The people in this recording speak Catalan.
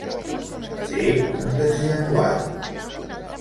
Ser un desllenguat.